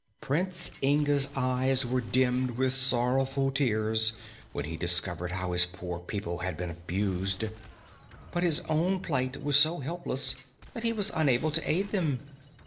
Prince Inga's eyes were dimmed with sorrowful tears when he discovered how his poor people had been abused, but his own plight was so helpless that he was unable to aid them.